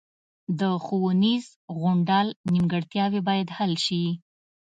د ښوونیز غونډال نیمګړتیاوې باید حل شي